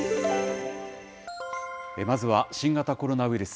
まずは新型コロナウイルス。